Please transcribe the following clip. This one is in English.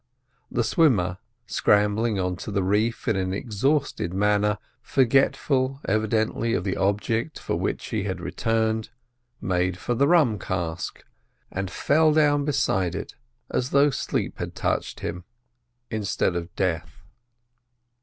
The swimmer, scrambling on to the reef in an exhausted manner, forgetful evidently of the object for which he had returned, made for the rum cask, and fell down beside it as though sleep had touched him instead of death.